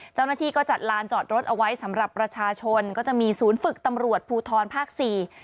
เจ้าหน้าที่ก็จัดลานจอดรถเอาไว้สำหรับประชาชนก็จะมีศูนย์ฝึกตำรวจภูทรภาคสี่